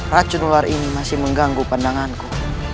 racun ular ini masih mengganggu pandanganku